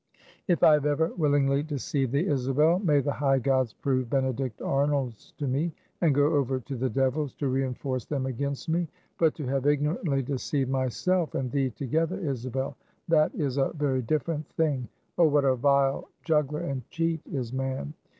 "If I have ever willfully deceived thee, Isabel, may the high gods prove Benedict Arnolds to me, and go over to the devils to reinforce them against me! But to have ignorantly deceived myself and thee together, Isabel; that is a very different thing. Oh, what a vile juggler and cheat is man!